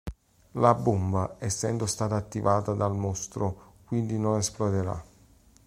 La bomba, essendo stata attivata dal Mostro, quindi non esploderà.